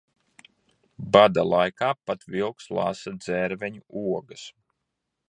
Bada laikā pat vilks lasa dzērveņu ogas.